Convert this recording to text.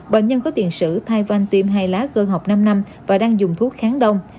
bệnh nhân có tiền sử thai van tim hai lá cơ học năm năm và đang dùng thuốc kháng đông